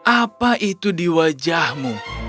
apa itu di wajahmu